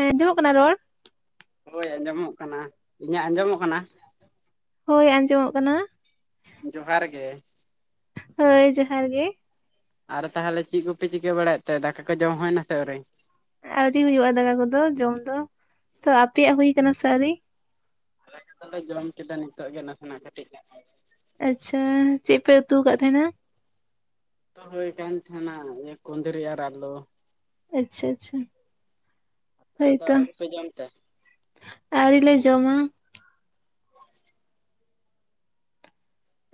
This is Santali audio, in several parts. ᱦᱮᱸ ᱟᱸᱡᱚᱢᱚᱜ ᱠᱟᱱᱟ ᱨᱚᱲ? ᱦᱳᱭ ᱟᱸᱡᱚᱢᱚᱜ ᱠᱟᱱᱟ ᱤᱧᱟᱹᱜ ᱟᱸᱡᱚᱢᱚᱜ ᱠᱟᱱᱟ? ᱦᱳᱭ ᱟᱸᱡᱚᱢᱚᱜ ᱠᱟᱱᱟ᱾ ᱡᱚᱦᱟᱨ ᱜᱮ᱾ ᱦᱟᱹᱭ ᱡᱚᱦᱟᱨ ᱜᱮ᱾ ᱟᱨ ᱛᱟᱦᱚᱞᱮ ᱪᱮᱫ ᱠᱚᱯᱮ ᱪᱤᱠᱟᱹ ᱵᱟᱲᱟᱭᱮᱫ ᱛᱮ ᱫᱟᱠᱟ ᱠᱚ ᱡᱚᱢ ᱦᱩᱭᱮᱱᱟ ᱥᱮ ᱟᱣᱤᱨᱭᱟ? ᱟᱹᱣᱨᱤ ᱦᱩᱭᱩᱜᱼᱟ ᱫᱟᱠᱟ ᱠᱚᱫᱚ ᱡᱚᱢ ᱫᱚ ᱛᱚ ᱟᱯᱮᱭᱟᱜ ᱦᱩᱭ ᱟᱠᱟᱱᱟ ᱥᱮ ᱥᱣᱨᱤ? ᱟᱫᱚᱞᱮ ᱡᱚᱢ ᱠᱮᱫᱟ ᱱᱤᱛᱚᱜ ᱜᱮ ᱱᱟᱥᱮᱱᱟᱜ ᱠᱟᱹᱴᱤᱡ᱾ ᱟᱪᱪᱷᱟ ᱪᱮᱫ ᱯᱮ ᱩᱛᱩ ᱟᱠᱟᱫ ᱛᱟᱦᱮᱱᱟ? ᱩᱛᱩ ᱦᱩᱭ ᱠᱟᱱ ᱛᱟᱸᱦᱮᱱᱟ ᱤᱭᱟᱹ ᱠᱩᱸᱫᱽᱨᱤ ᱟᱨ ᱟᱞᱩ᱾ ᱟᱪᱪᱷᱟ ᱟᱪᱪᱷᱟ᱾ ᱟᱫᱚ ᱦᱳᱭᱛᱚ ᱟᱹᱣᱨᱤ ᱯᱮ ᱡᱚᱢ ᱛᱮ᱾ ᱟᱹᱣᱨᱤ ᱞᱮ ᱡᱚᱢᱟ᱾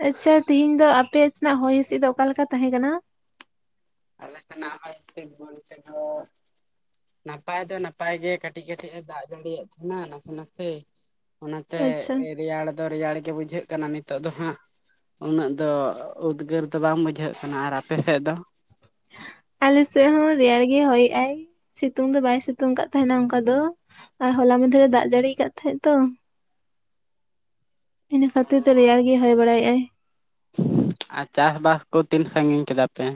ᱟᱪᱪᱷᱟ ᱛᱤᱦᱤᱧ ᱫᱚ ᱟᱯᱮ ᱥᱮᱱᱟᱜ ᱦᱚᱭ ᱦᱤᱸᱥᱤᱫ ᱫᱚ ᱚᱠᱟᱞᱮᱠᱟ ᱛᱟᱦᱮᱸ ᱠᱟᱱᱟ? ᱟᱞᱮ ᱥᱮᱱᱟᱜ [inaudible] ᱦᱚᱭ ᱦᱤᱸᱥᱤᱫ ᱵᱚᱞᱛᱮ ᱫᱚ ᱱᱟᱯᱟᱭ ᱫᱚ ᱱᱟᱯᱟᱭ ᱜᱮ ᱠᱟᱹᱴᱤᱡ ᱠᱟᱹᱴᱤᱡ ᱮ ᱫᱟᱜ ᱡᱟᱹᱲᱤᱭᱮᱫ ᱛᱟᱸᱦᱮᱱᱟ ᱱᱟᱥᱮ ᱱᱟᱥᱮ᱾ ᱚᱱᱟᱛᱮ ᱟᱪᱪᱷᱟ ᱨᱮᱭᱟᱲ ᱫᱚ ᱨᱮᱭᱟᱲ ᱜᱮ ᱵᱩᱡᱷᱟᱹᱜ ᱠᱟᱱᱟ ᱱᱤᱛᱚᱜ ᱫᱚ ᱦᱟᱸᱜ᱾ ᱩᱱᱟᱹᱜ ᱫᱚ ᱩᱫᱽᱜᱟᱹᱨ ᱫᱚ ᱵᱟᱝ ᱵᱩᱡᱷᱟᱹᱜ ᱠᱟᱱᱟ ᱟᱨ ᱟᱯᱮ ᱥᱮᱫ ᱫᱚ? ᱟᱞᱥᱮ ᱦᱚᱸ ᱨᱮᱭᱟᱲ ᱜᱮ ᱦᱚᱭᱮᱜ ᱟᱭ᱾ ᱥᱤᱛᱩᱝ ᱫᱚ ᱵᱟᱭ ᱥᱤᱛᱩᱝ ᱠᱟᱜ ᱛᱟᱸᱦᱮᱱᱟ ᱚᱝᱠᱟ ᱫᱚ ᱟᱨ ᱦᱚᱞᱟ ᱢᱚᱫᱽᱷᱮᱨᱮ ᱫᱟᱜ ᱡᱟᱹᱲᱤᱭ ᱟᱠᱟᱫ ᱛᱟᱦᱮᱸᱫ ᱛᱚ᱾ ᱤᱱᱟᱹ ᱠᱷᱟᱹᱛᱤᱨ ᱛᱮ ᱨᱮᱭᱟᱲ ᱜᱮᱭ ᱦᱚᱭ ᱵᱟᱲᱟᱭᱮᱜ ᱟᱭ᱾ ᱟᱨ ᱪᱟᱥᱵᱟᱥ ᱠᱚ ᱛᱤᱱ ᱥᱟᱺᱜᱤᱧ ᱠᱮᱫᱟ ᱯᱮ?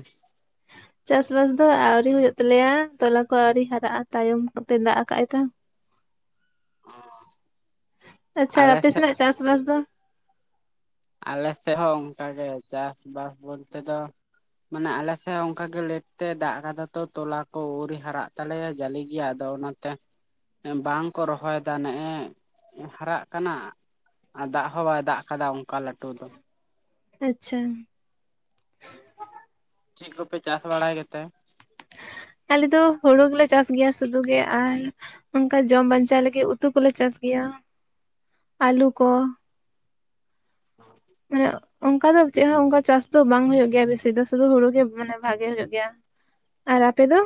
ᱪᱟᱥ ᱵᱟᱥ ᱫᱚ ᱟᱣᱨᱤ ᱦᱩᱭᱩᱜ ᱛᱟᱞᱮᱭᱟ ᱛᱚᱞᱟ ᱠᱚ ᱟᱣᱨᱤ ᱦᱟᱨᱟᱜᱼᱟ ᱛᱟᱭᱚᱢ ᱠᱚᱛᱮ ᱫᱟᱜ ᱠᱟᱜ-ᱟᱭ ᱛᱚ᱾ ᱟᱪᱪᱷᱟ ᱟᱞᱮ ᱟᱯᱮ ᱥᱮᱫ ᱥᱮᱱᱟᱜ ᱪᱟᱥᱵᱟᱥ ᱫᱚ? ᱟᱞᱮ ᱥᱮᱫ ᱦᱚᱸ ᱚᱝᱠᱟᱜᱮ ᱪᱟᱥᱵᱟᱥ ᱵᱚᱞᱛᱮ ᱫᱚ ᱢᱟᱱᱮ ᱟᱞᱮᱥᱮᱫ ᱦᱚᱸ ᱚᱝᱠᱟ ᱜᱮ ᱞᱮᱴ ᱛᱮ ᱫᱟᱜ ᱟᱠᱟᱫᱟ ᱛᱚ ᱛᱚᱞᱟ ᱠᱚ ᱟᱹᱣᱩᱨᱤ ᱦᱟᱨᱟᱜ ᱛᱟᱞᱮᱭᱟ ᱡᱟᱞᱤ ᱜᱮᱭᱟ ᱟᱫᱚ ᱚᱱᱟ ᱛᱮ ᱵᱟᱝᱠᱚ ᱨᱚᱦᱚᱭ ᱫᱟ ᱱᱮᱜᱼᱮ ᱦᱟᱨᱟᱜ ᱠᱟᱱᱟ᱾ ᱟᱨ ᱫᱟᱜ ᱦᱚᱸ ᱵᱟᱭ ᱫᱟᱜ ᱟᱠᱟᱫᱟ ᱚᱝᱠᱟ ᱞᱟᱹᱴᱩ ᱫᱚ᱾ ᱟᱪᱪᱷᱟ᱾ ᱪᱮᱫ ᱠᱚᱯᱮ ᱪᱟᱥ ᱵᱟᱲᱟᱭ ᱜᱮᱛᱮ? ᱟᱞᱮ ᱫᱚ ᱦᱩᱲᱩ ᱜᱮᱞᱮ ᱪᱟᱥ ᱜᱮᱭᱟ ᱥᱩᱫᱩ ᱜᱮ ᱟᱨ ᱚᱝᱠᱟ ᱡᱚᱢ ᱵᱟᱧᱪᱟᱣ ᱞᱟᱹᱜᱤᱫ ᱩᱛᱩ ᱠᱚᱞᱮ ᱪᱟᱥ ᱜᱮᱭᱟ ᱟᱹᱞᱩ ᱠᱚ ᱩᱱᱟᱹᱜ ᱚᱝᱠᱟ ᱫᱚ ᱪᱮᱫ ᱦᱚᱸ ᱚᱱᱠᱟ ᱪᱟᱥ ᱫᱚ ᱵᱟᱝ ᱦᱩᱭᱩᱜ ᱜᱮᱭᱟ ᱵᱤᱥᱤ ᱫᱚ ᱥᱩᱫᱩ ᱦᱩᱲᱩ ᱜᱮ ᱢᱟᱱᱮ ᱵᱷᱟᱜᱮ ᱦᱩᱭᱩᱜ ᱜᱮᱭᱟ᱾ ᱟᱨ ᱟᱯᱮ ᱫᱚ?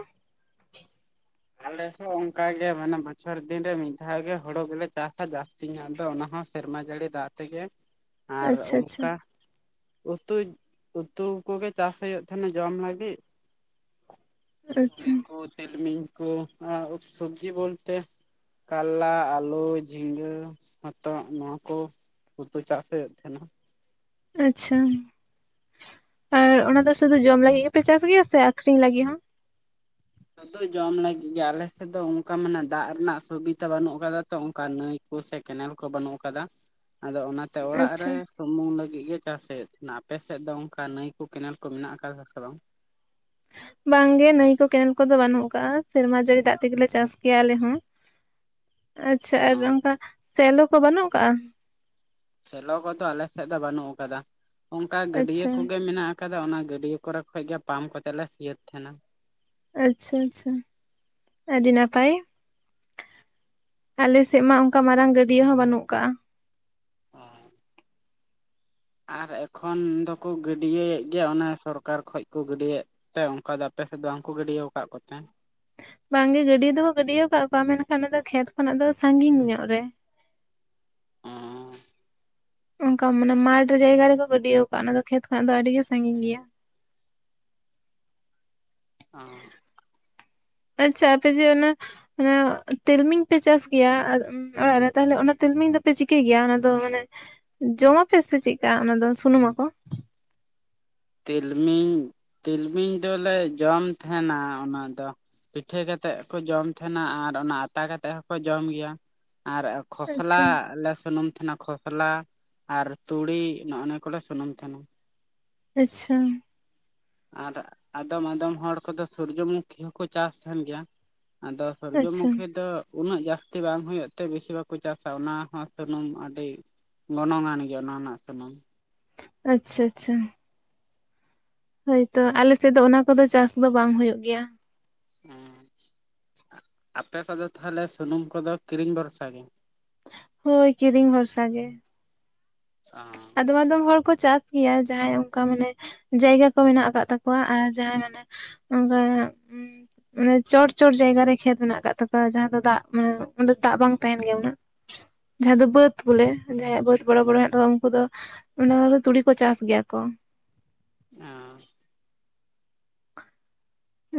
ᱟᱞᱮ ᱦᱚᱸ ᱚᱝᱠᱟᱟᱜᱮ ᱢᱟᱱᱮ ᱵᱚᱪᱷᱚᱨ ᱫᱤᱱ ᱨᱮ ᱢᱤᱫ ᱫᱷᱟᱣᱜ ᱜᱮ ᱦᱩᱲᱩ ᱜᱮᱞᱮ ᱪᱟᱥᱟ, ᱡᱟᱥ ᱛᱤᱧ ᱟᱫᱚ ᱚᱱᱟ ᱦᱚᱸ ᱥᱮᱨᱢᱟ ᱡᱟᱹᱲᱤ ᱫᱟᱜ ᱛᱮᱜᱮ ᱟᱨ ᱟᱪᱪᱷᱟ ᱟᱪᱪᱷᱟ ᱚᱝᱠᱟ ᱩᱛᱩ ᱩᱛᱩ ᱠᱚᱜᱮ ᱪᱟᱥ ᱦᱩᱭᱩᱜ ᱛᱟᱸᱦᱮᱱᱟ ᱡᱚᱢ ᱞᱟᱹᱜᱤᱫ ᱛᱩᱲᱤ ᱟᱪᱪᱷᱟ ᱠᱚ ᱛᱤᱞᱢᱤᱧ ᱠᱚ ᱟᱨ ᱥᱚᱵᱽᱡᱤ ᱵᱚᱞᱛᱮ ᱠᱟᱞᱞᱟ, ᱟᱹᱞᱩ, ᱡᱷᱤᱸᱜᱟᱹ, ᱦᱚᱛᱚᱫ ᱱᱚᱣᱟ ᱠᱚ ᱩᱛᱩ ᱪᱟᱥ ᱦᱩᱭᱩᱜ ᱛᱟᱦᱮᱱᱟ᱾ ᱟᱪᱪᱷᱟ ᱟᱨ ᱚᱱᱟᱫᱚ ᱥᱩᱫᱩ ᱡᱚᱢ ᱞᱟᱹᱜᱤᱫ ᱜᱮᱯᱮ ᱪᱟᱥ ᱜᱮᱭᱟ ᱥᱮ ᱟᱠᱷᱨᱤᱧ ᱞᱟᱹᱜᱤᱫ ᱦᱚᱸ? ᱥᱩᱫᱩ ᱡᱚᱢ ᱞᱟᱹᱜᱤᱫ ᱜᱮ ᱟᱞᱮ ᱥᱮᱫ ᱫᱚ ᱚᱱᱠᱟ ᱢᱟᱱᱮ ᱫᱟᱜ ᱨᱮᱱᱟᱜ ᱥᱩᱵᱤᱛᱟ ᱵᱟᱹᱱᱩᱜ ᱟᱠᱟᱫᱟ ᱛᱚ ᱚᱱᱠᱟ ᱱᱟᱹᱭ ᱠᱩ ᱥᱮ ᱠᱮᱱᱮᱞ ᱠᱚ ᱵᱟᱹᱱᱩᱜ ᱟᱠᱟᱫᱟ ᱟᱫᱚ ᱚᱱᱟᱛᱮ ᱚᱲᱟᱜ ᱨᱮ ᱟᱪᱪᱷᱟ ᱥᱩᱢᱩᱝ ᱞᱟᱹᱜᱤᱫ ᱜᱮ ᱪᱟᱥ ᱦᱩᱭᱩᱜ ᱛᱟᱦᱮᱱᱟ, ᱟᱯᱮᱥᱮᱫ ᱫᱚ ᱚᱝᱠᱟ ᱱᱟᱹᱭ ᱠᱚ ᱠᱮᱱᱮᱞ ᱠᱚ ᱢᱮᱱᱟᱜ ᱟᱠᱟᱫᱟ ᱥᱮ ᱵᱟᱝ? ᱵᱟᱝ ᱜᱮ ᱱᱟᱹᱭ ᱠᱚ ᱠᱮᱱᱮᱞ ᱠᱚᱫᱚ ᱵᱟᱹᱱᱩᱜ ᱟᱠᱟᱜ-ᱟ ᱥᱮᱨᱢᱟ ᱡᱟᱹᱲᱤ ᱫᱟᱜ ᱛᱮᱜᱮ ᱞᱮ ᱪᱟᱥ ᱜᱮᱭᱟ ᱟᱞᱮ ᱦᱚᱸ᱾ ᱟᱪᱪᱷᱟ ᱟᱨ ᱚ ᱚᱝᱠᱟ ᱥᱮᱞᱚ ᱠᱚ ᱵᱟᱹᱱᱩᱜ ᱟᱠᱟᱜᱼᱟ ᱥᱮᱞᱚ ᱠᱚᱫᱚ ᱟᱞᱮ ᱥᱮᱫ ᱫᱚ ᱵᱟᱹᱱᱩᱜ ᱟᱠᱟᱫᱟ ᱚᱱᱠᱟ ᱜᱟᱹᱰᱤᱭᱟᱹ ᱟᱪᱪᱷᱟ ᱠᱚᱜᱮ ᱢᱮᱱᱟᱜᱼᱟ᱾ ᱠᱟᱫᱟ ᱚᱱᱟ ᱜᱟᱹᱰᱭᱟᱹ ᱠᱚᱨᱮ ᱠᱷᱚᱡ ᱜᱮ ᱯᱟᱢᱯ ᱠᱚ ᱠᱚᱛᱮ ᱞᱮ ᱥᱤᱸᱭᱟᱹᱛ ᱛᱟᱦᱮᱱᱟ ᱾ ᱟᱪᱪᱷᱟ ᱟᱪᱪᱷᱟ ᱟᱹᱰᱤ ᱱᱟᱯᱟᱭ᱾ ᱟᱞᱮ ᱥᱮᱫ ᱢᱟ ᱚᱝᱠᱟ ᱢᱟᱨᱟᱝ ᱜᱟᱹᱰᱭᱟᱹ ᱦᱚᱸ ᱵᱟᱹᱱᱩᱜ ᱟᱠᱟᱜᱼᱟ ᱾ ᱚ ᱟᱨ ᱮᱠᱷᱚᱱ ᱫᱚᱠᱚ ᱜᱟᱹᱰᱤᱭᱮᱜ ᱜᱮᱭᱟ ᱚᱱᱮ ᱥᱚᱨᱠᱟᱨ ᱠᱷᱚᱡ ᱠᱚ ᱜᱟᱹᱰᱤᱭᱮᱜ ᱛᱚ, ᱚᱱᱠᱟ ᱫᱚ ᱟᱯᱮ ᱥᱮᱫ ᱫᱚ ᱵᱟᱝᱠᱚ ᱜᱤᱰᱤᱭᱟ ᱟᱠᱟᱫ ᱠᱚ ᱛᱮ ᱵᱟᱝ ᱜᱮ ᱜᱟᱹᱰᱭᱟᱹ ᱫᱚᱠᱚ ᱜᱟᱹᱰᱭᱟᱹᱣ ᱟᱠᱟᱫ ᱠᱚᱣᱟ ᱢᱮᱱᱠᱷᱟᱱ ᱚᱱᱟ ᱫᱚ ᱠᱷᱮᱛ ᱠᱷᱚᱱᱟᱜ ᱫᱚ ᱥᱟᱺᱜᱤᱧ ᱧᱚᱜ ᱨᱮ᱾ ᱚᱸᱻ ᱚᱝᱠᱟ ᱢᱟᱱᱮ ᱢᱟᱴᱷ ᱡᱟᱭᱜᱟ ᱨᱮᱠᱚ ᱜᱟᱹᱰᱤᱭᱟᱣ ᱟᱠᱟᱫ, ᱚᱱᱟ ᱫᱚ ᱠᱷᱮᱛ ᱠᱷᱚᱱᱟᱜ ᱫᱚ ᱟᱹᱰᱤ ᱜᱮ ᱥᱟᱺᱜᱤᱧ ᱜᱮᱭᱟ᱾ ᱚᱸ ᱟᱪᱪᱷᱟ ᱟᱯᱮ ᱡᱮ ᱚᱱᱟ ᱚᱱᱟ ᱛᱤᱞᱢᱤᱧ ᱯᱮ ᱪᱟᱥ ᱜᱮᱭᱟ ᱚᱲᱟᱜ ᱨᱮ ᱛᱟᱦᱚᱞᱮ ᱚᱱᱟ ᱛᱤᱞᱢᱤᱧ ᱫᱚᱯᱮ ᱪᱤᱠᱟᱹᱭ ᱜᱮᱭᱟ ᱚᱱᱟ ᱫᱚ ᱢᱟᱱᱮ ᱡᱚᱢᱟ ᱟᱯᱮ ᱥᱮ ᱪᱮᱫᱠᱟ? ᱚᱱᱟ ᱫᱚ ᱥᱩᱱᱩᱢ ᱟᱠᱚ ᱛᱤᱞᱢᱤᱧ ᱛᱤᱞᱢᱤᱧ ᱫᱚᱞᱮ ᱡᱚᱢ ᱛᱟᱦᱮᱱᱟ ᱚᱱᱟᱫᱚ ᱯᱤᱴᱷᱟᱹ ᱠᱟᱛᱮ ᱠᱚ ᱡᱚᱢ ᱛᱟᱦᱮᱸᱱᱟ ᱟᱨ ᱚᱱᱟ ᱟᱛᱟ ᱠᱟᱛᱮ ᱦᱚᱠᱚ ᱡᱚᱢ ᱜᱮᱭᱟ ᱟᱨ ᱟᱪᱪᱷᱟ ᱠᱷᱚᱥᱞᱟ ᱞᱮ ᱥᱩᱱᱩᱢ ᱛᱟᱦᱮᱱᱟ ᱠᱷᱚᱥ ᱢᱚᱥᱞᱟ ᱟᱨ ᱛᱩᱲᱤ ᱱᱚᱜ ᱱᱚᱣᱟ ᱠᱚᱞᱮ ᱥᱩᱱᱩᱢ ᱛᱟᱦᱮᱱᱟ ᱾ ᱟᱪᱪᱷᱟ ᱟᱨ ᱟᱫᱚᱢ ᱟᱫᱚᱢ ᱦᱚᱲ ᱠᱚᱫᱚ ᱥᱩᱨᱡᱚᱢᱩᱠᱷᱤ ᱦᱚᱸᱠᱚ ᱪᱟᱥ ᱛᱟᱦᱮᱱ ᱜᱮᱭᱟ ᱾ ᱟᱫᱚ ᱟᱪᱪᱷᱟ ᱥᱩᱨᱡᱚᱢᱩᱠᱷᱤ ᱫᱚ ᱩᱱᱟᱹᱜ ᱡᱟᱹᱥᱛᱤ ᱵᱟᱝ ᱦᱩᱭᱩᱜ ᱛᱮ ᱵᱤᱥᱤ ᱵᱟᱠᱚ ᱪᱟᱥᱟ, ᱚᱱᱟ ᱦᱚᱸ ᱥᱩᱱᱩᱢ ᱟᱹᱰᱤ ᱜᱩᱱᱚ ᱢᱟᱹᱱ ᱜᱮᱭᱟ ᱚᱱᱟ ᱨᱮᱱᱟᱜ ᱥᱩᱱᱩᱢ ᱟᱪᱪᱷᱟ ᱟᱪᱪᱷᱟ ᱦᱳᱭᱛᱳ ᱟᱞᱮ ᱥᱮᱫ ᱫᱚ ᱚᱱᱟ ᱠᱚᱫᱚ ᱪᱟᱥ ᱫᱚ ᱵᱟᱝ ᱦᱩᱭᱩᱜ ᱜᱮᱭᱟ ᱾ ᱟᱯᱮ ᱠᱚᱫᱚ ᱛᱟᱦᱚᱞᱮ ᱥᱩᱱᱩᱢ ᱠᱚᱫᱚ ᱠᱤᱨᱤᱧ ᱵᱷᱚᱨᱥᱟ ᱜᱮ ᱦᱳᱭ ᱠᱤᱨᱤᱧ ᱵᱷᱚᱨᱥᱟ ᱜᱮ ᱾ ᱚ ᱟᱫᱚᱢ ᱟᱫᱚᱢ ᱦᱚᱲ ᱠᱚ ᱪᱟᱥ ᱜᱮᱭᱟ᱾ ᱡᱟᱦᱟᱸᱭ ᱚᱱᱠᱟ ᱢᱟᱱᱮ ᱡᱟᱭᱜᱟ ᱠᱚ ᱢᱮᱱᱟᱜ ᱟᱠᱟᱫ ᱛᱟᱠᱚᱣᱟ ᱟᱨ ᱡᱟᱦᱟᱸᱭ ᱢᱟᱱᱮ ᱚᱱᱠᱟ ᱢᱟᱱᱮ ᱪᱚᱴ ᱪᱚᱴ ᱡᱟᱭᱜᱟ ᱨᱮ ᱠᱷᱮᱛ ᱢᱮᱱᱟᱜ ᱟᱠᱟᱫ ᱛᱟᱠᱚᱣᱟ᱾ᱡᱟᱦᱟᱸ ᱫᱚ ᱫᱟᱜ ᱢᱟᱱᱮ ᱚᱸᱰᱮ ᱫᱟᱜ ᱵᱟᱝ ᱛᱟᱦᱮᱱ ᱜᱮᱭᱟ ᱩᱱᱟᱹᱜ ᱡᱟᱦᱟᱸ ᱫᱚ ᱵᱟᱹᱫᱽ ᱵᱚᱞᱮ ᱡᱟᱦᱟᱸᱭᱟᱜ ᱵᱟᱹᱫᱽ ᱵᱚᱲᱚ ᱵᱚᱲᱚ ᱦᱮᱱᱟᱜ ᱛᱟᱠᱚᱣᱟ ᱩᱱᱠᱩ ᱫᱚ ᱚᱱᱟ ᱨᱮ ᱛᱩᱲᱤ ᱠᱚ ᱪᱟᱥ ᱜᱮᱭᱟ ᱠᱚ᱾ ᱚ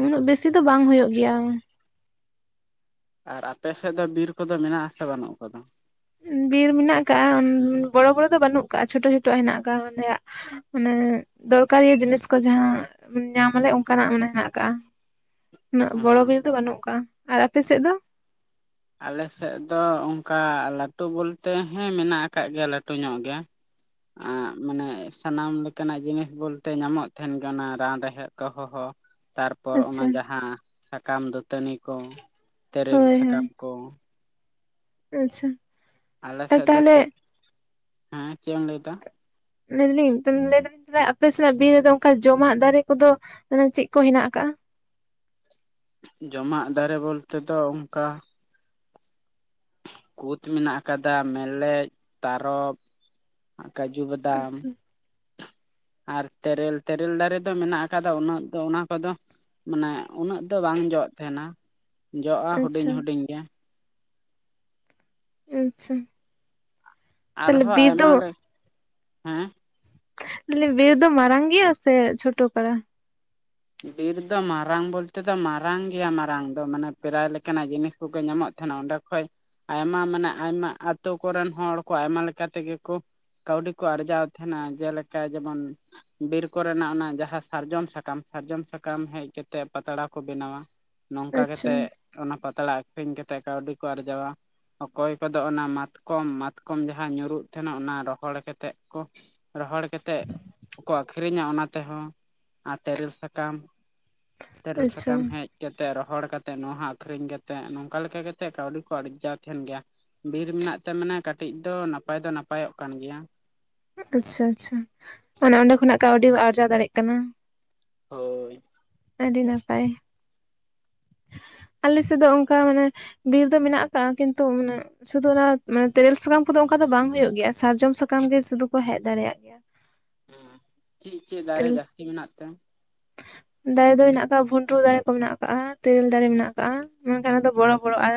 ᱩᱱᱟᱹᱜ ᱵᱮᱥᱤ ᱫᱚ ᱵᱟᱝ ᱦᱩᱭᱩᱜ ᱜᱮᱭᱟ ᱾ ᱟᱨ ᱟᱯᱮ ᱥᱮᱫ ᱫᱚ ᱵᱤᱨ ᱠᱚᱫᱚ ᱢᱮᱱᱟᱜ ᱟᱥᱮ ᱵᱟᱹᱱᱩᱜ ᱟᱠᱟᱫᱟ? ᱵᱤᱨ ᱢᱮᱱᱟᱜ ᱟᱠᱟᱫ ᱵᱚᱲᱚ ᱵᱚᱲᱚ ᱫᱚ ᱵᱟᱹᱱᱩᱜ ᱟᱠᱟᱜᱼᱟ ᱪᱷᱳᱴᱳ ᱪᱷᱳᱴᱳ ᱦᱮᱱᱟᱜ ᱟᱠᱟᱫ ᱚᱸᱰᱮᱭᱟᱜ ᱢᱟᱱᱮ ᱫᱚᱨᱠᱟᱨᱤᱭᱟᱹ ᱡᱤᱱᱤᱥ ᱠᱚ ᱡᱟᱦᱟᱸ ᱧᱟᱢ ᱟᱞᱮ ᱚᱱᱠᱟᱱᱟᱜ ᱢᱟᱱᱮ ᱦᱮᱱᱟᱜ ᱟᱠᱟᱜᱼᱟ ᱾ [inaudible] ᱩᱱᱟᱹᱜ ᱵᱚᱲᱚ ᱠᱚᱨᱮ ᱫᱚ ᱵᱟᱹᱱᱩᱜ ᱟᱠᱟᱫᱟ ᱟᱨ ᱟᱯᱮ ᱥᱮᱫ ᱫᱚ? ᱟᱞᱮ ᱥᱮᱫ ᱫᱚ ᱚᱱᱠᱟ ᱞᱟᱹᱴᱩ ᱵᱚᱞᱛᱮ ᱦᱮᱸ ᱢᱮᱱᱟᱜ ᱟᱠᱟᱫ ᱜᱮᱭᱟ ᱞᱟᱹᱴᱩ ᱧᱚᱜ ᱜᱮ ᱾ ᱟᱜ ᱢᱟᱱᱮ ᱥᱟᱱᱟᱢ ᱞᱮᱠᱟᱱᱟᱜ ᱡᱤᱱᱤᱥ ᱵᱚᱞᱛᱮ ᱧᱟᱢᱚᱜ ᱛᱟᱦᱮᱱ ᱜᱮᱭᱟ ᱨᱟᱱ ᱨᱮᱦᱮᱫ ᱠᱚᱦᱚᱸ ᱛᱟᱨᱯᱚᱨ ᱚᱱᱟ ᱟᱪᱪᱷᱟ ᱡᱟᱦᱟᱸ ᱥᱟᱠᱟᱢ ᱫᱟᱹᱛᱟᱹᱱᱤ ᱠᱚ ᱛᱮᱨᱮᱞ ᱦᱳᱭ ᱥᱟᱠᱟᱢ ᱦᱳᱭ ᱠᱚ ᱟᱪᱪᱷᱟ ᱟᱞᱮ ᱟᱨ ᱥᱮᱫ ᱫᱚ ᱛᱟᱦᱚᱞᱮ ᱪᱮᱫ, ᱦᱮᱸ ᱪᱮᱫ ᱮᱢ ᱞᱟᱹᱭᱮᱫᱟ? ᱞᱟᱹᱭ ᱫᱟᱞᱤᱧ [unintelligible] ᱟᱯᱮ ᱥᱮᱜ ᱵᱤᱨ ᱨᱮᱫᱚ ᱚᱱᱠᱟ ᱡᱚᱢᱟᱜ ᱫᱟᱨᱮ ᱠᱚᱫᱚ ᱢᱟᱱᱮ ᱪᱮᱫ ᱠᱚ ᱦᱮᱱᱟᱜ ᱟᱠᱟᱜᱼᱟ ᱡᱚᱢᱟᱜ ᱫᱟᱨᱮ ᱵᱚᱞᱛᱮ ᱫᱚ ᱚᱱᱠᱟ ᱠᱩᱛ ᱢᱮᱱᱟᱜ ᱟᱠᱟᱫᱟ ᱢᱮᱞᱮᱡ ᱛᱟᱨᱚᱵ ᱠᱟᱡᱩ ᱵᱟᱫᱟᱢ ᱟᱨ ᱛᱮᱨᱮᱞ ᱛᱮᱨᱮᱞ ᱫᱟᱨᱮ ᱫᱚ ᱢᱮᱱᱟᱜ ᱟᱠᱟᱫᱟ ᱩᱱᱟᱹᱜ ᱫᱚ ᱚᱱᱟ ᱠᱚᱫᱚ ᱢᱟᱱᱮ ᱩᱱᱟᱹᱜ ᱫᱚ ᱵᱟᱝ ᱡᱚᱜ ᱛᱟᱦᱮᱱᱟ᱾ ᱡᱚᱜ-ᱟ ᱦᱩᱰᱤᱧ ᱟᱪᱪᱷᱟ ᱦᱩᱰᱤᱧ ᱜᱮ᱾ ᱟᱪᱪᱷᱟ ᱛᱟᱦᱚᱞᱮ ᱟᱨᱦᱚᱸ ᱵᱤᱨ ᱟᱭᱢᱟ ᱫᱚ [inaudible] ᱞᱮ ᱦᱮᱸ ᱵᱤᱨ ᱫᱚ ᱢᱟᱨᱟᱝ ᱜᱮᱭᱟ ᱥᱮ ᱪᱷᱳᱴᱳ ᱯᱟᱛᱟ? ᱵᱤᱨ ᱫᱚ ᱢᱟᱨᱟᱝ ᱵᱚᱞᱛᱮ ᱫᱚ ᱢᱟᱨᱟᱝ ᱜᱮᱭᱟ ᱢᱟᱨᱟᱝ ᱫᱚ, ᱢᱟᱱᱮ ᱯᱮᱨᱟᱭ ᱞᱮᱠᱟᱱᱟᱜ ᱡᱤᱱᱤᱥ ᱠᱚᱜᱮ ᱧᱟᱢᱚᱜ ᱛᱟᱦᱮᱱᱟ ᱚᱸᱰᱮ ᱠᱷᱚᱡ᱾ ᱟᱭᱢᱟ ᱢᱟᱱᱮ ᱟᱭᱢᱟ ᱟᱛᱳ ᱠᱚᱨᱮᱱ ᱦᱚᱲ ᱠᱚ ᱟᱭᱢᱟ ᱞᱮᱠᱟ ᱛᱮᱜᱮ ᱠᱚ ᱠᱟᱹᱣᱰᱤ ᱠᱚ ᱟᱨᱡᱟᱣ ᱛᱟᱦᱮᱸᱱᱟ᱾ ᱡᱮᱞᱮᱠᱟ ᱡᱮᱢᱚᱱ ᱵᱤᱨ ᱠᱚᱨᱮᱱᱟᱜ ᱚᱱᱟ ᱡᱟᱦᱟᱸ ᱥᱟᱨᱡᱚᱢ ᱥᱟᱠᱟᱢ ᱥᱟᱨᱡᱚᱢ ᱥᱟᱠᱟᱢ ᱦᱮᱡ ᱠᱟᱛᱮᱜ ᱯᱟᱛᱲᱟ ᱠᱚ ᱵᱮᱱᱟᱣᱟ᱾ᱱᱚᱝᱠᱟ ᱟᱪᱪᱷᱟ ᱠᱟᱛᱮᱜ ᱚᱱᱟ ᱯᱟᱛᱲᱟ ᱟᱠᱷᱨᱤᱧ ᱠᱟᱛᱮᱜ ᱠᱟᱹᱣᱰᱤ ᱠᱚ ᱟᱨᱡᱟᱣᱟ ᱚᱠᱚᱭ ᱠᱚᱫᱚ ᱚᱱᱟ ᱢᱟᱛᱠᱚᱢ ᱢᱟᱛᱠᱚᱢ ᱡᱟᱦᱟᱸ ᱧᱩᱨᱩᱜ ᱛᱟᱦᱮᱱᱟ ᱚᱱᱟ ᱨᱚᱦᱚᱲ ᱠᱟᱛᱮᱜ ᱠᱚ ᱨᱚᱦᱚᱲ ᱠᱟᱛᱮᱫ ᱠᱚ ᱟᱠᱷᱨᱤᱧᱟ ᱚᱱᱟ ᱛᱮᱦᱚᱸ ᱟᱨ ᱛᱮᱨᱮᱞ ᱥᱟᱠᱟᱢ ᱛᱮᱨᱮᱞ ᱟᱪᱪᱷᱟ ᱥᱟᱠᱟᱢ ᱦᱮᱡ ᱠᱟᱛᱮᱫ ᱨᱚᱦᱚᱲ ᱠᱟᱛᱮᱫ ᱱᱚᱣᱟ ᱟᱠᱷᱨᱤᱧ ᱠᱟᱛᱮᱫ ᱱᱚᱝᱠᱟ ᱞᱮᱠᱟ ᱠᱟᱛᱮᱫ ᱠᱟᱹᱣᱰᱤ ᱠᱚ ᱟᱨᱡᱟᱣ ᱛᱟᱦᱮᱱ ᱜᱮᱭᱟ ᱵᱤᱨ ᱢᱮᱱᱟᱜ ᱛᱮ ᱢᱟᱱᱮ ᱠᱟᱹᱴᱤᱡ ᱫᱚ ᱱᱟᱯᱟᱭ ᱫᱚ ᱱᱟᱯᱟᱭᱚᱜ ᱠᱟᱱ ᱜᱮᱭᱟ᱾ ᱟᱪᱪᱷᱟᱼᱟᱪᱪᱷᱟ ᱟᱱᱮ ᱚᱸᱰᱮ ᱠᱷᱚᱱᱟᱜ ᱠᱟᱹᱣᱰᱤ ᱠᱚ ᱟᱨᱡᱟᱣ ᱫᱟᱲᱮᱭᱟᱜ ᱠᱟᱱᱟ᱾ ᱦᱳᱭ ᱟᱹᱰᱤ ᱱᱟᱯᱟᱭ [inaudible] ᱟᱞᱮ ᱥᱮᱫ ᱫᱚ ᱚᱱᱠᱟ ᱢᱟᱱᱮ ᱵᱤᱨ ᱫᱚ ᱢᱮᱱᱟᱜ ᱟᱠᱟᱜ-ᱟ ᱠᱤᱱᱛᱩ ᱢᱟᱱᱮ ᱥᱩᱫᱷᱩ ᱚᱱᱟ ᱛᱮᱨᱮᱞ ᱥᱟᱠᱟᱢ ᱠᱚᱫᱚ ᱚᱱᱠᱟ ᱫᱚ ᱵᱟᱝ ᱦᱳᱭᱳ ᱜᱮᱭᱟ ᱥᱟᱨᱡᱚᱢ ᱥᱟᱠᱟᱢ ᱜᱮ ᱥᱩᱫᱩ ᱠᱚ ᱦᱮᱡ ᱫᱟᱲᱮᱭᱟᱜ ᱜᱮᱭᱟ᱾ ᱪᱮᱫ ᱪᱮᱫ ᱫᱟᱨᱮ ᱛᱮᱨᱮᱞ ᱡᱟᱹᱥᱛᱤ ᱢᱮᱱᱟᱜ ᱛᱮ ᱫᱟᱨᱮ ᱫᱚ ᱢᱮᱱᱟᱜ ᱟᱠᱟᱫ-ᱟ ᱵᱷᱩᱱᱴᱩ ᱫᱟᱨᱮ ᱠᱚ ᱢᱮᱱᱟᱜ ᱟᱠᱟᱟᱜ-ᱟ ᱛᱮᱨᱮᱞ ᱫᱟᱨᱮ ᱢᱮᱱᱟᱜ ᱟᱠᱟᱫ-ᱟ ᱫᱟᱨᱮ ᱫᱚ ᱵᱚᱲᱚ ᱵᱚᱲᱚ ᱟᱨ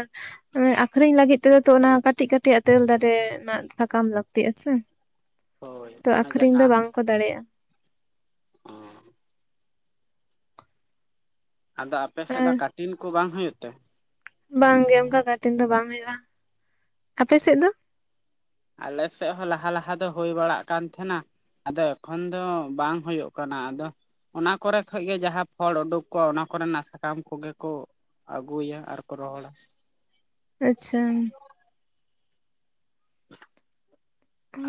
ᱟᱠᱷᱨᱤᱧ ᱞᱟᱹᱜᱤᱫ ᱛᱮᱫᱚ ᱛᱚ ᱚᱱᱟ ᱠᱟᱹᱴᱤᱡ ᱠᱟᱹᱴᱤᱡᱟ ᱛᱮᱨᱮᱞ ᱫᱟᱨᱮ ᱨᱮᱱᱟᱜ ᱥᱟᱠᱟᱢ ᱞᱟᱹᱠᱛᱤᱜ-ᱟ ᱥᱮ᱾ ᱦᱳᱭ ᱛᱚ ᱚᱱᱮ ᱟᱠᱷᱨᱤᱧ ᱫᱚ ᱵᱟᱝᱠᱚ ᱫᱟᱲᱮᱭᱟᱜ-ᱟ ᱚ ᱟᱫᱚ ᱟᱯᱮᱥᱮᱫ ᱫᱚ ᱠᱟᱴᱤᱱ ᱠᱚ ᱵᱟᱝ ᱦᱳᱭᱳ ᱛᱮ ᱵᱟᱝ ᱜᱮ ᱚᱱᱠᱟ ᱠᱟᱴᱤᱱ ᱫᱚ ᱵᱟᱝ ᱦᱩᱭᱩᱜ-ᱟ᱾ ᱟᱯᱮ ᱥᱮᱫ ᱫᱚ ᱟᱞᱮᱥᱮᱫ ᱦᱚᱸ ᱞᱟᱦᱟ ᱞᱟᱦᱟ ᱫᱚ ᱦᱩᱭ ᱵᱟᱲᱟᱜ ᱠᱟᱱ ᱛᱟᱦᱮᱸᱱᱟ ᱟᱫᱚ ᱮᱠᱷᱚᱱ ᱫᱚ ᱵᱟᱝ ᱦᱳᱭᱳᱜ ᱠᱟᱱᱟ ᱟᱫᱚ ᱚᱱᱟ ᱠᱚᱨᱮ ᱠᱷᱚᱱᱜᱤ ᱡᱟᱦᱟᱸ ᱯᱷᱚᱲ ᱩᱰᱩᱠ ᱠᱚᱜ ᱚᱱᱟ ᱠᱚᱨᱮᱱᱟᱜ ᱥᱟᱠᱟᱢ ᱠᱚᱜᱮ ᱠᱚ ᱟᱹᱜᱩᱭᱟ ᱟᱨᱠᱚ ᱨᱚᱦᱚᱲᱟ ᱟᱪᱪᱷᱟ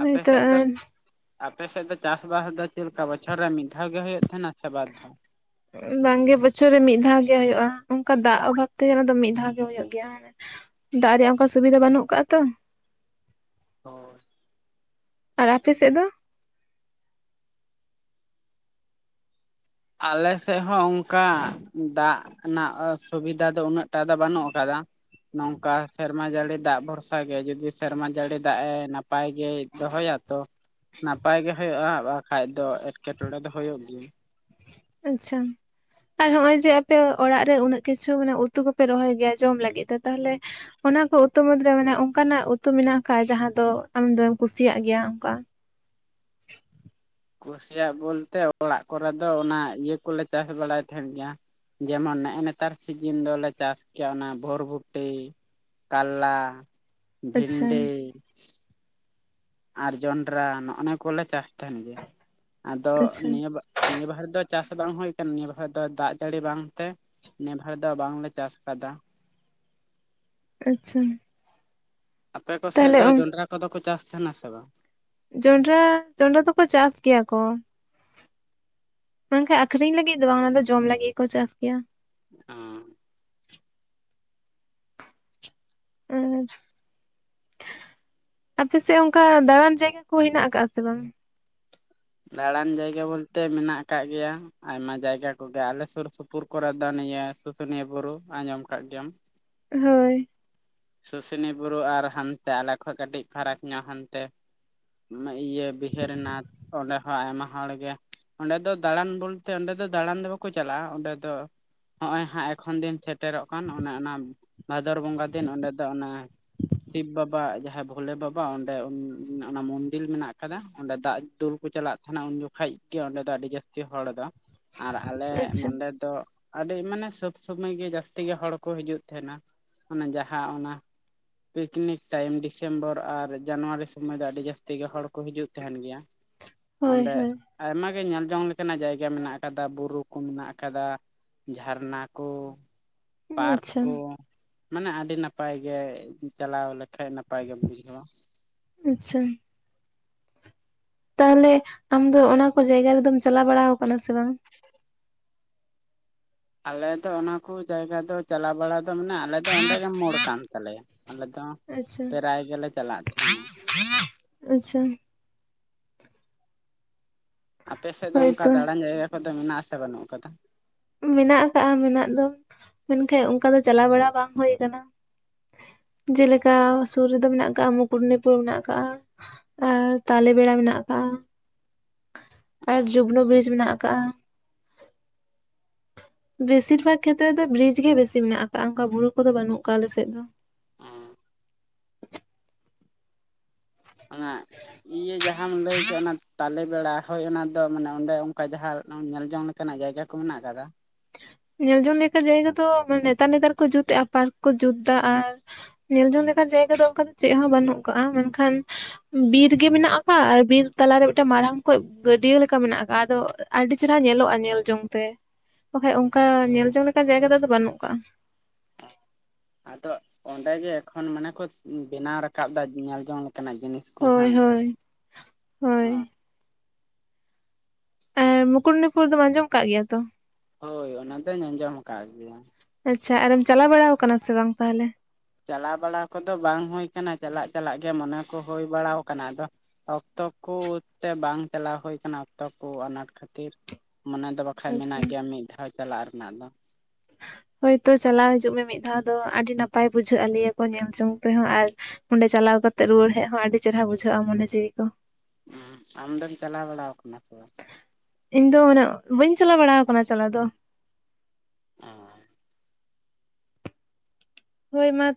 ᱦᱳᱭᱛᱚ ᱟᱯᱮᱥᱮᱫ ᱫᱚ ᱟᱯᱮᱥᱮᱫ ᱫᱚ ᱪᱟᱥᱵᱟᱥ ᱫᱚ ᱪᱮᱫᱪᱮᱠᱟ ᱵᱚᱪᱷᱚᱨ ᱨᱮ ᱢᱤᱫ ᱫᱷᱟᱣ ᱜᱮ ᱦᱩᱭᱩᱜ ᱛᱟᱦᱮᱱᱟ ᱥᱮ ᱵᱟᱫ ᱫᱷᱟᱣ ᱵᱟᱝᱜᱮ ᱵᱚᱪᱷᱚᱨ ᱨᱮ ᱢᱤᱫ ᱫᱷᱟᱣ ᱜᱮ ᱦᱩᱭᱩᱜ-ᱟ ᱚᱱᱠᱟ ᱫᱟᱜ ᱚᱵᱷᱟᱵ ᱛᱮ ᱫᱚ ᱢᱤᱫ ᱫᱷᱟᱣ ᱜᱮ ᱦᱩᱭᱩᱜ ᱜᱮᱭᱟ ᱫᱟᱜ ᱨᱮᱭᱟᱜ ᱚᱱᱠᱟ ᱥᱩᱵᱤᱫᱷᱟ ᱵᱟᱹᱱᱩᱜ ᱟᱠᱟᱜ-ᱟ ᱛᱚ ᱚ ᱟᱨ ᱟᱯᱮ ᱥᱮᱫ ᱫᱚ ᱟᱞᱮᱥᱮᱫ ᱦᱚᱸ ᱚᱱᱠᱟ ᱫᱟᱜ ᱨᱮᱱᱟᱜ ᱥᱩᱵᱤᱫᱷᱟ ᱫᱚ ᱩᱱᱟᱹᱜ ᱴᱟ ᱫᱚ ᱵᱟᱹᱱᱩᱜ ᱟᱠᱟᱫᱟ ᱱᱚᱝᱠᱟ ᱥᱮᱨᱢᱟ ᱡᱟᱹᱲᱤ ᱫᱟᱜ ᱵᱷᱚᱨᱥᱟ ᱜᱮ ᱡᱩᱫᱤ ᱥᱮᱨᱢᱟ ᱡᱟᱹᱲᱤ ᱫᱟᱜ ᱮ ᱱᱟᱯᱟᱭ ᱜᱮ ᱫᱚᱦᱚᱭᱟ ᱛᱚ ᱱᱟᱯᱟᱭ ᱜᱮ ᱦᱩᱭᱩᱜ-ᱟ ᱵᱟᱠᱷᱟᱡ ᱫᱚ ᱮᱴᱠᱮᱴᱚᱬᱮ ᱫᱚ ᱦᱩᱭᱩᱜ ᱜᱮᱭᱟ ᱟᱪᱪᱷᱟ ᱟᱨ ᱱᱚᱜ ᱚᱭ ᱡᱮ ᱟᱯᱮ ᱚᱲᱟᱜ ᱨᱮ ᱩᱱᱟᱹᱜ ᱠᱤᱪᱷᱩ ᱢᱟᱱᱮ ᱩᱛᱩ ᱠᱚᱯᱮ ᱨᱚᱦᱚᱭ ᱜᱮᱭᱟ ᱡᱚᱢ ᱞᱟᱹᱜᱤᱫ ᱛᱮ ᱛᱟᱦᱚᱞᱮ ᱚᱱᱟ ᱠᱚ ᱩᱛᱩ ᱢᱩᱫᱽᱨᱮ ᱢᱟᱱᱮ ᱚᱱᱠᱟᱱᱟᱜ ᱩᱛᱩ ᱢᱮᱱᱟᱜ ᱟᱠᱟᱫ ᱡᱟᱦᱟᱸ ᱫᱚ ᱟᱢ ᱫᱚᱢᱮᱢ ᱠᱩᱥᱤᱭᱟᱜ ᱜᱮᱭᱟ ᱚᱱᱠᱟ ᱠᱩᱥᱤᱭᱟᱜ ᱵᱚᱞᱛᱮ ᱚᱲᱟᱜ ᱠᱚᱨᱮ ᱫᱚ ᱚᱱᱟ ᱤᱭᱟᱹ ᱠᱚᱞᱮ ᱪᱟᱥ ᱵᱟᱲᱟᱭ ᱛᱟᱦᱮᱱ ᱜᱮᱭᱟ ᱡᱮᱢᱚᱱ ᱱᱮᱜᱮᱱᱮᱛᱟᱨ ᱥᱤᱡᱤᱱ ᱫᱚᱞᱮ ᱪᱟᱥ ᱠᱮᱭᱟ ᱚᱱᱟ ᱵᱷᱨᱵᱚᱴᱤ ᱠᱟᱞᱞᱟ ᱟᱪᱪᱷᱟ ᱵᱷᱤᱱᱰᱤ ᱟᱨ ᱡᱚᱱᱰᱨᱟ ᱱᱚᱜᱼᱱᱟ ᱠᱚᱞᱮ ᱪᱟᱥ ᱛᱟᱦᱮᱱ ᱜᱮ ᱟᱫᱚ ᱟᱪᱪᱷᱟ ᱱᱤᱭᱟᱹ ᱵᱟ ᱼᱼ ᱱᱤᱭᱟᱹ ᱵᱟᱨᱮ ᱫᱚ ᱪᱟᱥ ᱵᱟᱝ ᱦᱩᱭ ᱟᱠᱟᱱᱟ ᱱᱤᱭᱟᱹ ᱵᱟᱨ ᱫᱚ ᱫᱟᱜ ᱡᱟᱹᱲᱤ ᱵᱟᱝ ᱛᱮ ᱱᱮᱵᱷᱟᱨ ᱫᱚ ᱵᱟᱝᱞᱮ ᱪᱟᱥ ᱟᱠᱟᱫᱟ ᱟᱪᱪᱷᱟ ᱟᱯᱮ ᱠᱚ ᱥᱮᱫ ᱛᱟᱦᱚᱞᱮ ᱫᱚ ᱚ ᱡᱚᱱᱰᱨᱟ ᱠᱚᱫᱚ ᱠᱚ ᱪᱟᱥ ᱛᱟᱦᱮᱱᱟ ᱥᱮ ᱵᱟᱝ ᱡᱚᱱᱰᱨᱟ ᱡᱚᱱᱰᱨᱟ ᱫᱚᱠᱚ ᱪᱟᱥ ᱜᱮᱭᱟ ᱠᱚ ᱢᱮᱱᱠᱷᱟᱡ ᱟᱠᱷᱨᱤᱧ ᱞᱟᱹᱜᱤᱫ ᱫᱚ ᱵᱟᱝ ᱚᱱᱟ ᱫᱚ ᱡᱚᱢ ᱞᱟᱹᱜᱤᱫ ᱠᱚ ᱪᱟᱥ ᱜᱮᱭᱟ ᱚᱸ ᱟᱨ ᱟᱯᱮ ᱥᱮᱫ ᱚᱱᱠᱟ ᱫᱟᱬᱟᱱ ᱡᱟᱭᱜᱟ ᱠᱚ ᱦᱮᱱᱟᱜ ᱟᱠᱟᱜᱼᱟ ᱥᱮ ᱵᱟᱝ ᱫᱟᱬᱟᱱ ᱡᱟᱭᱜᱟ ᱵᱚᱞᱛᱮ ᱢᱮᱱᱟᱜ ᱠᱟᱫ ᱜᱮᱭᱟ ᱟᱭᱢᱟ ᱡᱟᱭᱜᱟ ᱠᱚᱜᱮ ᱟᱞᱮ ᱥᱩᱨ ᱥᱩᱯᱩᱨ ᱠᱚᱨᱮᱫᱚ ᱱᱤᱭᱟᱹ ᱥᱩᱥᱩᱱᱤᱭᱟᱹ ᱵᱩᱨᱩ ᱟᱸᱡᱚᱢ ᱠᱟᱫ ᱜᱮᱭᱟᱢ ᱦᱳᱭ ᱥᱩᱥᱩᱱᱤᱭᱟᱹ ᱵᱩᱨᱩ ᱟᱨ ᱦᱟᱱᱛᱮ ᱟᱞᱮ ᱠᱷᱚᱡ ᱠᱟᱹᱴᱤᱡ ᱯᱷᱟᱨᱟᱠ ᱧᱚᱜ ᱦᱟᱱᱛᱮ ᱤᱭᱟᱹ ᱵᱤᱦᱟᱹᱨᱤᱱᱟᱛᱷ ᱚᱸᱰᱮ ᱟᱭᱢᱟ ᱦᱚᱲ ᱜᱮ ᱚᱸᱰᱮ ᱫᱚ ᱫᱟᱬᱟᱱ ᱵᱚᱞᱛᱮ ᱚᱸᱰᱮ ᱫᱚ ᱫᱟᱬᱟᱱ ᱫᱚ ᱵᱟᱠᱚ ᱪᱟᱞᱟᱜᱼᱟ ᱚᱸᱰᱮ ᱫᱚ ᱱᱚᱜᱼᱚᱭ ᱦᱟᱸᱜ ᱮᱠᱷᱚᱱ ᱫᱤᱱ ᱥᱮᱴᱮᱨᱚᱜ ᱠᱟᱱ ᱚᱱᱮ ᱚᱱᱟ ᱵᱷᱟᱫᱚᱨ ᱵᱚᱸᱜᱟ ᱫᱤᱱ ᱚᱸᱰᱮ ᱫᱚ ᱚᱱᱮ ᱥᱤᱵ ᱵᱟᱵᱟ ᱡᱟᱦᱟᱸᱭ ᱵᱷᱳᱞᱮ ᱵᱟᱵᱟ ᱚᱸᱰᱮ ᱚᱱᱟ ᱢᱚᱱᱫᱤᱨ ᱢᱮᱱᱟᱜ ᱟᱠᱟᱫᱟ ᱚᱸᱰᱮ ᱫᱟᱜ ᱫᱩᱞ ᱠᱚ ᱪᱟᱞᱟᱜ [unintelligible] ᱩᱱ ᱡᱚᱠᱷᱮᱡ ᱜᱮ ᱚᱸᱰᱮ ᱫᱚ ᱟᱹᱰᱤ ᱡᱟᱹᱟᱥᱛᱤ ᱦᱚᱲ ᱫᱚ ᱟᱨ ᱟᱞᱮ ᱟᱪᱪᱷᱟ ᱱᱚᱰᱮ ᱫᱚ ᱟᱹᱰᱤ ᱢᱟᱱᱮ ᱥᱚᱵ ᱥᱩᱚᱢᱚᱭ ᱜᱮ ᱡᱟᱹᱥᱛᱤ ᱜᱮ ᱦᱚᱲ ᱠᱚ ᱦᱤᱡᱩᱜ ᱛᱟᱦᱮᱸᱱᱟ ᱚᱱᱟ ᱡᱟᱦᱟᱸ ᱚᱱᱟ ᱯᱤᱠᱱᱤᱠ ᱴᱟᱭᱤᱢ ᱰᱤᱥᱮᱢᱵᱚᱨ ᱟᱨ ᱡᱟᱱᱩᱣᱟᱨᱤ ᱥᱩᱢᱟᱹᱭ ᱫᱚ ᱟᱹᱰᱤ ᱡᱟᱹᱥᱛᱤ ᱜᱮ ᱦᱚᱲ ᱠᱚ ᱦᱤᱡᱩᱜ ᱛᱟᱦᱮᱱ ᱜᱮᱭᱟ ᱦᱳᱭ ᱚᱸᱰᱮ ᱦᱳᱭ ᱟᱭᱢᱟ ᱜᱮ ᱧᱮᱞ ᱡᱚᱝ ᱞᱮᱠᱟᱱᱟᱜ ᱡᱟᱭᱜᱟ ᱢᱮᱱᱟᱜ ᱟᱠᱟᱫᱟ ᱵᱩᱨᱩ ᱠᱚ ᱢᱮᱱᱟᱜ ᱟᱠᱟᱫᱟ ᱡᱷᱟᱨᱱᱟ ᱠᱚ ᱯᱟᱨᱠ ᱟᱪᱪᱷᱟ ᱠᱚ ᱢᱟᱱᱮ ᱟᱹᱰᱤ ᱱᱟᱯᱟᱭ ᱜᱮ ᱪᱟᱞᱟᱣ ᱞᱮᱠᱷᱟᱡ ᱱᱟᱯᱟᱭ ᱜᱮᱢ ᱵᱩᱡᱷᱟᱹᱣᱟ ᱟᱪᱪᱷᱟ ᱛᱟᱦᱚᱞᱮ ᱟᱢ ᱫᱚ ᱚᱱᱟ ᱠᱚ ᱡᱟᱭᱜᱟ ᱨᱮᱫᱚᱢ ᱪᱟᱞᱟᱣ ᱵᱟᱲᱟ ᱟᱠᱟᱱᱟ ᱥᱮ ᱵᱟᱝ ᱟᱞᱮ ᱫᱚ ᱚᱱᱟᱠᱚ ᱡᱟᱭᱜᱟ ᱫᱚ ᱪᱟᱞᱟᱣ ᱵᱟᱲᱟ ᱫᱚ ᱢᱟᱱᱮ ᱟᱞᱮ ᱫᱚ ᱚᱸᱰᱮ ᱜᱮ ᱢᱳᱲ ᱠᱟᱱ ᱛᱟᱞᱮᱭᱟ ᱟᱞᱮ ᱫᱚ ᱟᱪᱪᱷᱟ ᱯᱮᱨᱟᱭ ᱜᱮᱞᱮ ᱪᱟᱞᱟᱜ ᱛᱟᱦᱮᱸᱱᱟ ᱟᱪᱪᱷᱟ ᱟᱯᱮᱥᱮᱫ ᱫᱚ ᱚᱱᱠᱟ ᱦᱳᱭᱛᱚ ᱫᱟᱬᱟᱱ ᱡᱟᱭᱜᱟ ᱠᱚᱫᱚ ᱢᱮᱱᱟᱜ ᱟᱥᱮ ᱵᱟᱹᱱᱩᱜ ᱠᱟᱫᱟ ᱢᱮᱱᱟᱜ ᱟᱠᱟᱜᱼᱟ ᱢᱮᱱᱟᱜ ᱫᱚ ᱢᱮᱱᱠᱷᱟᱱ ᱚᱱᱠᱟ ᱫᱚ ᱪᱟᱞᱟᱣ ᱵᱟᱲᱟ ᱵᱟᱝ ᱦᱳᱭ ᱠᱟᱱᱟ ᱡᱮᱞᱮᱠᱟ ᱥᱩᱨ ᱨᱮᱫᱚ ᱢᱮᱱᱟᱜ ᱟᱠᱟᱜ ᱢᱩᱠᱩᱴᱢᱩᱱᱤᱯᱩᱨ ᱢᱮᱱᱟᱜ ᱠᱟᱜᱼᱟ ᱟᱨ ᱛᱟᱞᱮ ᱵᱮᱲᱟ ᱢᱮᱱᱟᱜ ᱠᱟᱜᱼᱟ ᱟᱨ ᱡᱩᱵᱽᱱᱩ ᱵᱤᱨ ᱢᱮᱱᱟᱜ ᱟᱠᱟᱜᱼᱟ ᱵᱮᱥᱤᱨ ᱵᱷᱟᱜᱽ ᱠᱷᱮᱛᱨᱮ ᱨᱮ ᱫᱚ ᱵᱨᱤᱡ ᱜᱮ ᱵᱮᱥᱤ ᱢᱮᱱᱟᱜ ᱟᱠᱟᱜᱼᱟ ᱚᱱᱠᱟ ᱵᱩᱨᱩ ᱠᱚᱫᱚ ᱵᱟᱹᱱᱩᱜ ᱠᱟᱜ ᱟᱞᱮᱥᱮᱫ ᱫᱚ [unintelligible] [inaudible] ᱚᱱᱟ ᱤᱭᱟᱹ ᱡᱟᱦᱟᱢ ᱞᱟᱹᱭ ᱠᱮᱫ ᱚᱱᱟ ᱛᱟᱞᱮ ᱵᱮᱲᱟ ᱦᱳᱭ ᱚᱱᱟ ᱫᱚ ᱢᱟᱱᱮ ᱚᱸᱰᱮ ᱚᱱᱠᱟ ᱡᱟᱦᱟᱸ ᱧᱮᱞ ᱡᱚᱝ ᱞᱮᱠᱟᱱᱟᱜ ᱡᱟᱭᱜᱟ ᱠᱚ ᱢᱮᱱᱟᱜ ᱟᱠᱟᱫᱟ ᱧᱮᱞ ᱡᱚᱝ ᱞᱮᱠᱟ ᱡᱟᱭᱜᱟ ᱫᱚ ᱢᱟᱱᱮ ᱱᱮᱛᱟᱨ ᱱᱮᱛᱟᱨ ᱠᱚ ᱡᱩᱛᱮᱜᱼᱟ ᱯᱟᱨᱠ ᱠᱚ ᱡᱩᱛ ᱫᱟ ᱟᱨ ᱧᱮᱞᱡᱚᱝ ᱞᱮᱠᱟᱱ ᱡᱟᱭᱜᱟ ᱫᱚ ᱚᱱᱠᱟ ᱫᱚ ᱪᱮᱫ ᱦᱚᱸ ᱵᱟᱹᱱᱩᱜ ᱠᱟᱜᱼᱟ ᱢᱮᱱᱠᱷᱟᱱ ᱵᱤᱨ ᱜᱮ ᱢᱮᱱᱟᱜ ᱟᱠᱟᱜᱼᱟ ᱟᱨ ᱵᱤᱨ ᱛᱟᱞᱟᱨᱮ ᱢᱤᱫᱴᱮᱱ ᱢᱟᱨᱟᱲᱟᱝ ᱠᱚᱡᱽ ᱜᱟᱹᱰᱤᱭᱟᱹ ᱞᱮᱠᱟ ᱢᱮᱱᱟᱜ ᱟᱠᱟᱜᱼᱟ ᱟᱫᱚ ᱟᱹᱰᱤ ᱪᱮᱦᱮᱨᱟ ᱧᱮᱞᱚᱜᱼᱟ ᱧᱮᱞ ᱡᱚᱝ ᱛᱮ ᱵᱟᱠᱷᱟᱡ ᱚᱱᱠᱟ ᱧᱮᱞ ᱡᱚᱝ ᱞᱮᱠᱟᱱ ᱡᱟᱭᱜᱟ ᱫᱚ ᱟᱫᱚ ᱵᱟᱹᱱᱩᱜ ᱠᱟᱜᱼᱟ [unintelligible] ᱟᱫᱚ ᱚᱸᱰᱮ ᱜᱮ ᱮᱠᱷᱚᱱ ᱢᱟᱱᱮ ᱠᱚ ᱵᱮᱱᱟᱣ ᱨᱟᱠᱟᱵ ᱫᱟ ᱧᱮᱞ ᱡᱚᱝ ᱞᱮᱠᱟᱱᱟᱜ ᱡᱤᱱᱤᱥ ᱠᱚ ᱦᱳᱭ ᱦᱟᱸᱜ ᱦᱳᱭ ᱚ ᱦᱳᱭ ᱟᱨ ᱢᱩᱠᱩᱴᱢᱩᱱᱤᱯᱩᱨ ᱫᱚ ᱟᱸᱡᱚᱢ ᱠᱟᱜ ᱜᱮᱭᱟ ᱛᱚ? ᱦᱳᱭ ᱚᱱᱟ ᱫᱚᱧ ᱟᱸᱡᱚᱢ ᱠᱟᱜ ᱜᱮᱭᱟ᱾ ᱟᱪᱪᱷᱟ ᱟᱨᱮᱢ ᱪᱟᱞᱟᱣ ᱵᱟᱲᱟᱭ ᱠᱟᱱᱟ ᱥᱮ ᱵᱟᱝ ᱛᱟᱦᱚᱞᱮ? ᱪᱟᱞᱟᱣ ᱵᱟᱲᱟ ᱠᱚᱫᱚ ᱵᱟᱝ ᱦᱩᱭ ᱠᱟᱱᱟ ᱪᱟᱞᱟᱜ ᱪᱟᱞᱟᱜ ᱜᱮ ᱢᱚᱱᱮ ᱠᱚ ᱦᱩᱭ ᱵᱟᱲᱟ ᱠᱟᱱᱟ ᱟᱫᱚ ᱚᱠᱛᱚ ᱠᱚᱛᱮ ᱵᱟᱝ ᱪᱟᱞᱟᱣ ᱦᱩᱭ ᱠᱟᱱᱟ ᱚᱠᱛᱚ ᱠᱚ ᱟᱱᱟᱴ ᱠᱷᱟᱹᱛᱤᱨ ᱢᱚᱱᱮ ᱫᱚ ᱵᱟᱝ ᱵᱟᱠᱷᱟᱡ ᱟᱪᱪᱷᱟ ᱢᱮᱱᱟᱜ ᱜᱮᱭᱟ ᱢᱤᱫ ᱫᱷᱟᱣ ᱪᱟᱞᱟᱜ ᱨᱮᱱᱟᱜ ᱫᱚ ᱦᱳᱭ ᱛᱚ ᱪᱟᱞᱟᱣ ᱦᱤᱡᱩᱜ ᱢᱮ ᱢᱤᱫ ᱫᱷᱟᱣ ᱫᱚ ᱟᱹᱰᱤ ᱱᱟᱯᱟᱭ ᱵᱩᱡᱷᱟᱹᱜᱼᱟ ᱞᱟᱹᱭ ᱟᱠᱚ ᱧᱮᱞ ᱡᱚᱝ ᱛᱮᱦᱚᱸ ᱟᱨ ᱚᱸᱰᱮ ᱪᱟᱞᱟᱣ ᱠᱟᱛᱮᱜ ᱨᱩᱣᱟᱹᱲ ᱦᱮᱡ ᱦᱚᱸ ᱟᱹᱰᱤ ᱪᱮᱦᱮᱨᱟ ᱵᱩᱡᱷᱟᱹᱜᱼᱟ ᱢᱚᱱᱮ ᱡᱤᱣᱤ ᱠᱚ᱾ ᱦᱩᱸ ᱟᱢ ᱫᱚᱢ ᱪᱟᱞᱟᱣ ᱵᱟᱲᱟ ᱠᱟᱱᱟ ᱥᱮ ᱵᱟᱝ ᱤᱧ ᱫᱚ ᱢᱟᱱᱮ ᱵᱟᱹᱧ ᱪᱟᱞᱟᱣ ᱵᱟᱲᱟ ᱠᱟᱱᱟ ᱪᱟᱞᱟᱣ ᱫᱚ [unintelligible] ᱦᱳᱭ ᱢᱟ